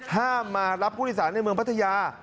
ห้ามมารับผู้โดยสารในเมืองพัทยา